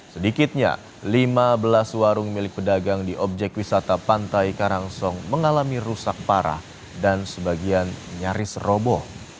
sedikitnya lima belas warung milik pedagang di objek wisata pantai karangsong mengalami rusak parah dan sebagian nyaris roboh